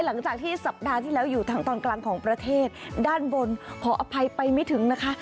หลังจากที่สัปดาห์ที่แล้วอยู่ทางตอนกลางของประเทศด้านบนขออภัยไปไม่ถึงนะคะ